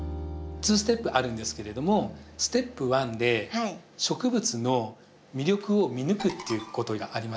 ２ステップあるんですけれどもステップ１で植物の魅力を見抜くっていうことがあります。